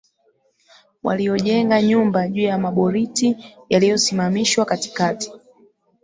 waliojenga nyumba juu ya maboriti yaliyosimamishwa katikati